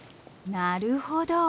なるほど。